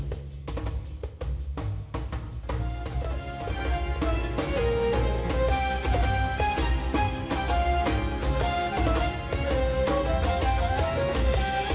waalaikumsalam warahmatullahi wabarakatuh